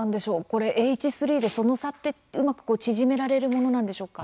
Ｈ３で、その差ってうまく縮められるものなんでしょうか？